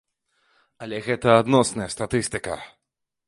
Але гэта адносная статыстыка.